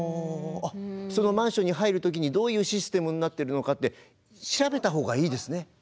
そのマンションに入る時にどういうシステムになってるのかって調べたほうがいいですね。